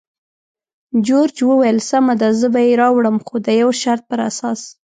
جورج وویل: سمه ده، زه به یې راوړم، خو د یو شرط پر اساس.